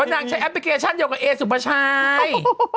อ๋อนางใช้แอปพลิเคชันเดียวกับเอสัมปัชาย